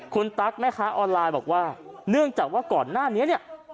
คุณตั๊กแม่ค้าออนไลน์บอกว่าเนื่องจากว่าก่อนหน้านี้เนี่ย